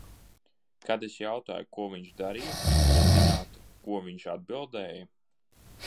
Kad es jautāju, ko viņš darīja, vai zināt, ko viņš atbildēja?